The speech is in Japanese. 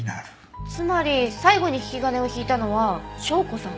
つまり最後に引き金を引いたのは紹子さん？